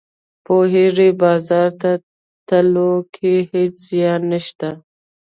پوهیږې بازار ته تلو کې هیڅ زیان نشته